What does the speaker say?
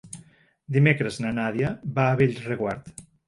Dimecres na Nàdia va a Bellreguard.